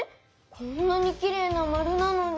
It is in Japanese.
こんなにきれいなまるなのに？